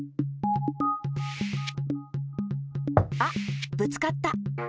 あっぶつかった。